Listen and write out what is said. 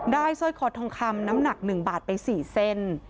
สร้อยคอทองคำน้ำหนัก๑บาทไป๔เส้น